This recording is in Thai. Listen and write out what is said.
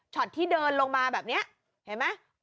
ที่เดินลงมาแบบนี้เห็นไหม